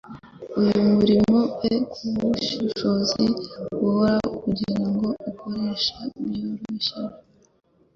Uyu murimo pe kubushishozi buhoro kugirango ukore byoroheje